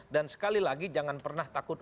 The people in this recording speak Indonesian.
dan sekali lagi jangan pernah takut